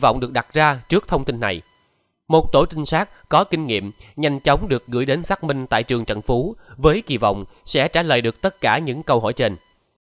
một tổ tinh sát có kinh nghiệm nhanh chóng được gửi đến xác minh tại trường trần phú với kỳ vọng sẽ trả lời được tất cả những câu hỏi trên